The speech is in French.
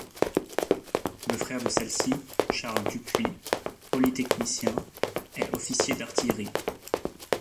Le frère de celle-ci, Charles Dupuy, polytechnicien, est officier d'artillerie.